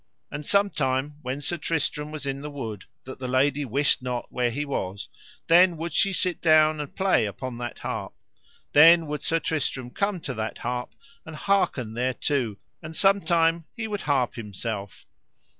And sometime when Sir Tristram was in the wood that the lady wist not where he was, then would she sit her down and play upon that harp: then would Sir Tristram come to that harp, and hearken thereto, and sometime he would harp himself.